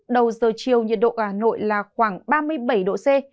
đầu giờ chiều nhiệt độ ở hà nội là khoảng ba mươi bảy độ c